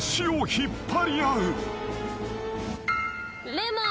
レモン。